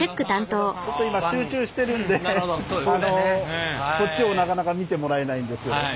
ちょっと今集中してるんでこっちをなかなか見てもらえないんですけど。